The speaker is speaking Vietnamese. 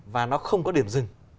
và nó không có điểm dừng